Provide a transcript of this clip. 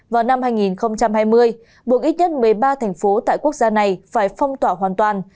vào năm hai nghìn hai mươi buộc ít nhất một mươi ba thành phố tại quốc gia này phải phong tỏa hoàn toàn